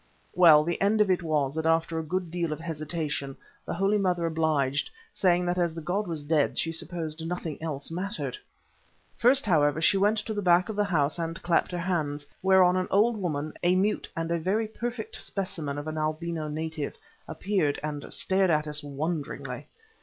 Well, the end of it was that after a good deal of hesitation, the Holy Mother obliged, saying that as the god was dead she supposed nothing else mattered. First, however, she went to the back of the house and clapped her hands, whereon an old woman, a mute and a very perfect specimen of an albino native, appeared and stared at us wonderingly.